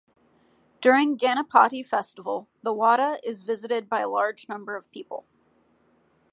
During Ganapati festival, the Wada is visited by a large number of people.